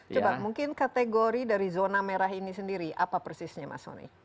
coba mungkin kategori dari zona merah ini sendiri apa persisnya mas soni